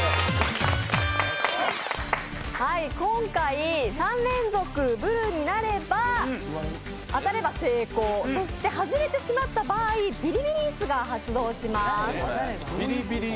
今回、３連続ブルになれば当たれば成功、外れてしまった場合ビリビリ椅子が発動します。